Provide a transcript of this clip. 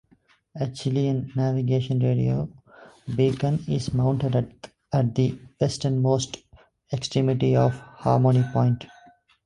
A Chilean navigation radio beacon is mounted at the westernmost extremity of Harmony Point.